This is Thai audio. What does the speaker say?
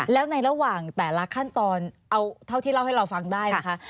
แล้วในระหว่างแต่ละขั้นตอนเอาเท่าที่เล่าให้เราฟังได้นะคะ